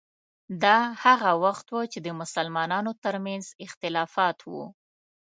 دا هغه وخت و چې د مسلمانانو ترمنځ اختلافات وو.